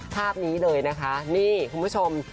ภาพนี้เลยนะคะนี่คุณผู้ชม